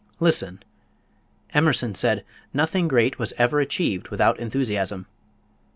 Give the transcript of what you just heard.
Listen! Emerson said: "Nothing great was ever achieved without enthusiasm."